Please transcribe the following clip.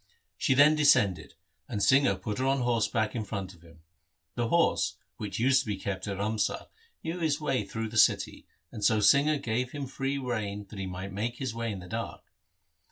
She then descended, and Singha put her on horseback in front of him. The horse, which used to be kept at Ramsar, knew his way through the city, and so Singha gave him free rein that he might make his way in the dark.